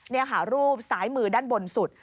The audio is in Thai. นี่ค่ะรูปซ้ายมือด้านบนสุด